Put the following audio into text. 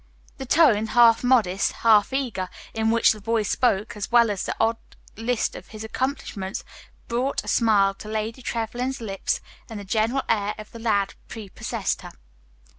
The tone, half modest, half eager, in which the boy spoke, as well as the odd list of his accomplishments, brought a smile to Lady Trevlyn's lips, and the general air of the lad prepossessed her.